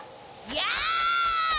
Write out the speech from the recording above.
やあ！